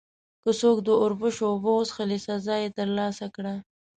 که څوک د اوربشو اوبه وڅښلې، سزا یې ترلاسه کړه.